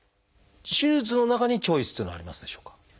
手術の中にチョイスっていうのはありますでしょうか？